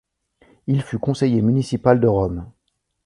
Il fut conseiller municipal de Rome.